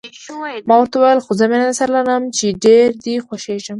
ما ورته وویل: خو زه مینه درسره لرم، چې ډېر دې خوښېږم.